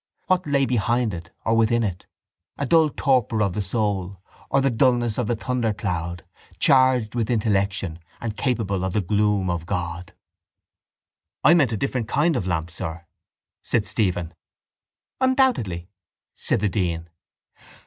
What lay behind it or within it? A dull torpor of the soul or the dullness of the thundercloud, charged with intellection and capable of the gloom of God? —I meant a different kind of lamp, sir, said Stephen. —Undoubtedly, said the dean.